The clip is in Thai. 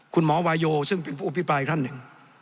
คุณหมอวาโยซึ่งเป็นผู้อภิปรายท่านหนึ่ง